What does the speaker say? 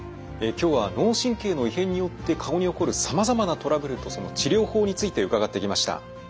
今日は脳神経の異変によって顔に起こるさまざまなトラブルとその治療法について伺ってきました。